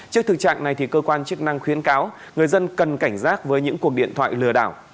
trước thực trạng này cơ quan chức năng khuyến cáo người dân cần cảnh giác với những cuộc điện thoại lừa đảo